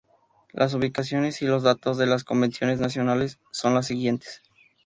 Las ubicaciones y los datos de las convenciones nacionales son las siguientes.